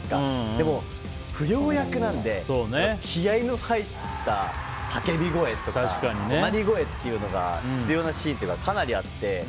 でも不良役なんで気合の入った叫び声とか怒鳴り声っていうのが必要なシーンがかなりあって。